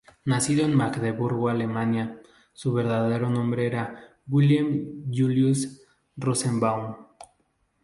Nacido en Magdeburgo, Alemania, su verdadero nombre era Wilhelm Julius Rosenbaum.